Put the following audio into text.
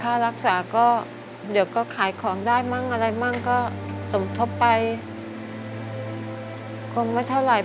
ค่ารักษาก็เดี๋ยวก็ขายของได้มั่งอะไรมั่งก็สมทบไปคงไม่เท่าไหร่